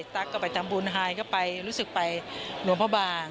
ตั๊กก็ไปทำบุญไฮก็ไปรู้สึกไปหลวงพ่อบาง